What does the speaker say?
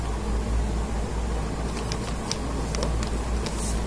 Pública Argentina.